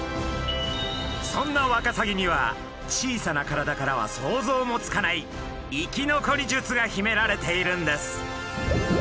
そんなワカサギには小さな体からは想像もつかない生き残り術が秘められているんです。